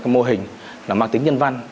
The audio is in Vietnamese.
mô hình mang tính nhân văn